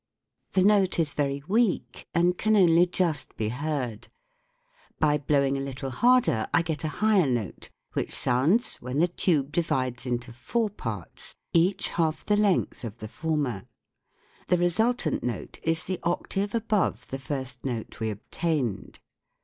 The note is very weak and can only just be heard. By blowing a little harder I get a higher note which sounds when the tube divides into four parts, each half the length of the former. The resultant note is the octave above the first note we obtained.